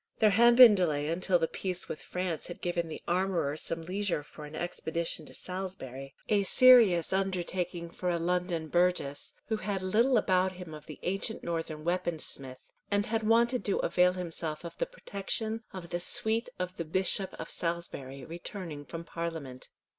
There had been delay until the peace with France had given the armourer some leisure for an expedition to Salisbury, a serious undertaking for a London burgess, who had little about him of the ancient northern weapon smith, and had wanted to avail himself of the protection of the suite of the Bishop of Salisbury, returning from Parliament.